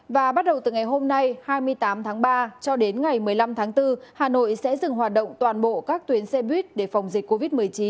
và bắt đầu từ ngày hôm nay hai mươi tám tháng ba cho đến ngày một mươi năm tháng bốn hà nội sẽ dừng hoạt động toàn bộ các tuyến xe buýt để phòng dịch covid một mươi chín